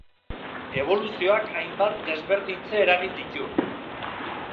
Eboluzioak hainbat desberdintze eragin ditu.